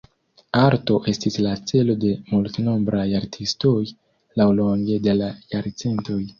Arto estis la celo de multnombraj artistoj laŭlonge de la jarcentoj.